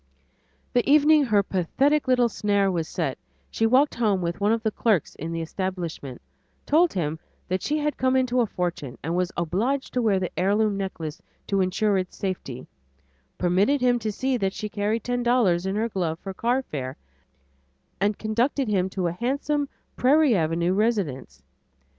The evening her pathetic little snare was set, she walked home with one of the clerks in the establishment, told him that she had come into a fortune, and was obliged to wear the heirloom necklace to insure its safety, permitted him to see that she carried ten dollars in her glove for carfare, and conducted him to a handsome Prairie Avenue residence.